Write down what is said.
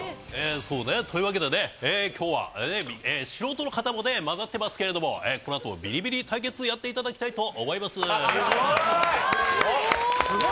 そうね、というわけで、今日は素人の方も混ざってますけども、このあとビリビリ対決をやっていただきたいと思います。